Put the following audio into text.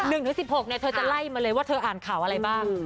๑๑๖นาทีเธอจะไล่มาเลยว่าเธออ่านข่าวอะไรบ้าง